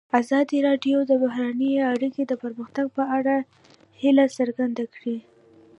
ازادي راډیو د بهرنۍ اړیکې د پرمختګ په اړه هیله څرګنده کړې.